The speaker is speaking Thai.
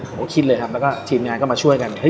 คิดเลยครับแล้วก็ทีมงานก็มาช่วยกัน